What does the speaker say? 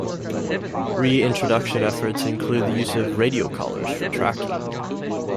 Reintroduction efforts include the use of radio collars for tracking.